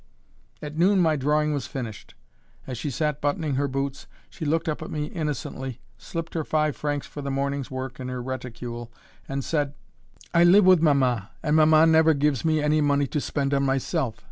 At noon my drawing was finished. As she sat buttoning her boots, she looked up at me innocently, slipped her five francs for the morning's work in her reticule, and said: "I live with mama, and mama never gives me any money to spend on myself.